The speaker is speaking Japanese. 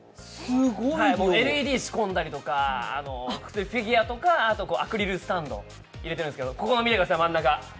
ＬＥＤ仕込んだりとか、普通にフィギュアとかアクリルスタンド入れてるんですけど、見てください、真ん中。